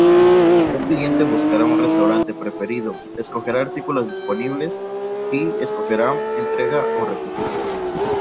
Un cliente buscará un restaurante preferido, escogerá artículos disponibles y escogerá entrega o recogida.